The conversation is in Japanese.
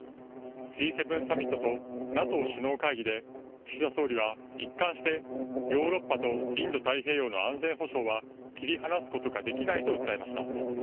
Ｇ７サミットとＮＡＴＯ首脳会議で岸田総理は、一貫してヨーロッパとインド太平洋の安全保障は切り離すことができないと訴えました。